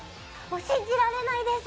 信じられないです！